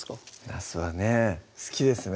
なすはね好きですね